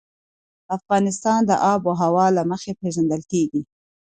افغانستان د آب وهوا له مخې پېژندل کېږي.